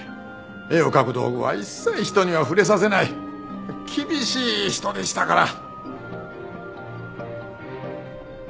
絵を描く道具は一切人には触れさせない厳しい人でしたから。